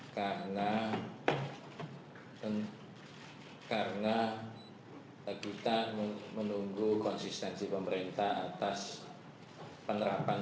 karena kita menunggu konsistensi pemerintah atas penerapan